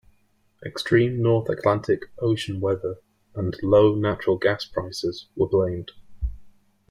Extreme North Atlantic Ocean weather and low natural gas prices were blamed.